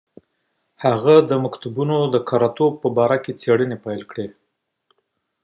هغه د مکتوبونو د کره توب په باره کې تحقیقات پیل کړل.